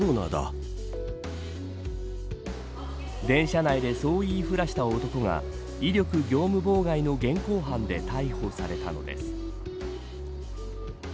電車内でそう言いふらした男が威力業務妨害の現行犯で逮捕されたのです。